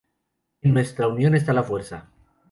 En nuestra unión esta la fuerza.